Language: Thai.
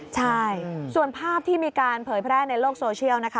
ใช่ส่วนภาพที่มีการเผยแพร่ในโลกโซเชียลนะคะ